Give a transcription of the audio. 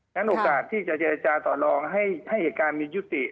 ฉะโอกาสที่จะเจรจาต่อลองให้เหตุการณ์มียุติ